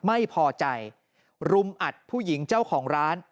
ไม่พอใจรุมอัดผู้หญิงเจ้าของร้าน